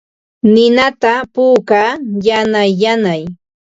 Ninata puukaa yanay yanay.